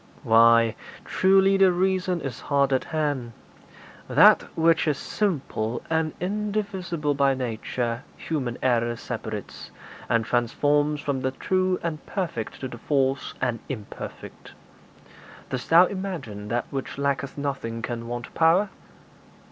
'Why, truly the reason is hard at hand. That which is simple and indivisible by nature human error separates, and transforms from the true and perfect to the false and imperfect. Dost thou imagine that which lacketh nothing can want power?'